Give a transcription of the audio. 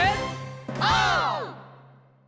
オー！